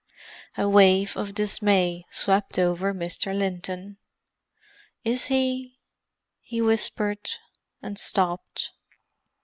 A wave of dismay swept over Mr. Linton. "Is he——?" he whispered, and stopped.